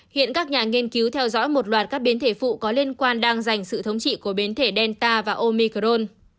hiện các nhà nghiên cứu theo dõi một loạt các biến thể phụ có liên quan đang giành sự thống trị của biến thể delta và omicron